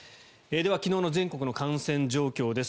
では昨日の全国の感染状況です。